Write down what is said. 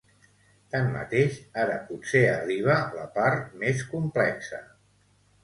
Tanmateix ara potser arriba la part més complexa….